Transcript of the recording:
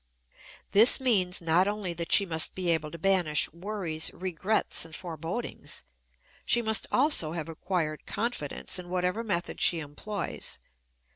This means not only that she must be able to banish worries, regrets, and forebodings; she must also have acquired confidence in whatever method she employs.